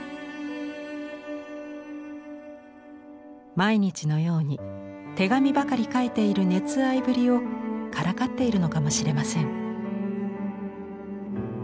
毎日のように手紙ばかり書いている熱愛ぶりをからかっているのかもしれません。